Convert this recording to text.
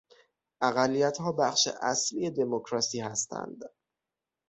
اقلیتها بخش اصلی دمکراسی هستند.